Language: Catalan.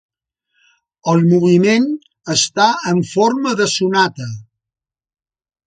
El moviment està en forma de sonata.